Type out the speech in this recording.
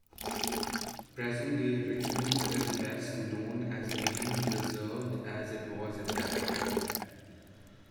Present-day Richmond is best known as being preserved as it was at that time.